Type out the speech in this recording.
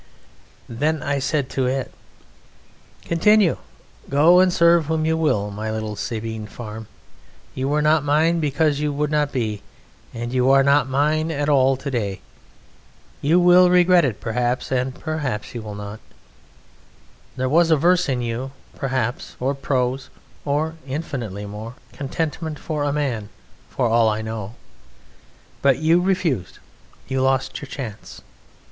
Then I said to it, "Continue. Go and serve whom you will, my little Sabine Farm. You were not mine because you would not be, and you are not mine at all to day. You will regret it perhaps, and perhaps you will not. There was verse in you, perhaps, or prose, or infinitely more! contentment for a man (for all I know). But you refused. You lost your chance.